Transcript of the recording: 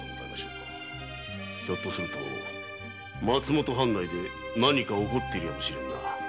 ひょっとすると松本藩内で何か起こっているやもしれぬ。